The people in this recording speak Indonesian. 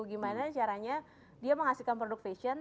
gimana caranya dia menghasilkan produk fashion